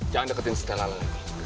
jangan deketin setelah lainnya